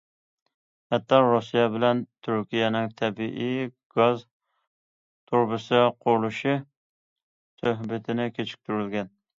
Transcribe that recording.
ھەتتا رۇسىيە بىلەن تۈركىيەنىڭ تەبىئىي گاز تۇرۇبىسى قۇرۇلۇشى سۆھبىتىنى كېچىكتۈرۈلگەن.